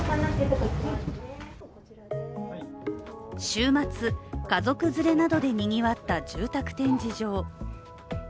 週末、家族連れなどでにぎわった住宅展示場。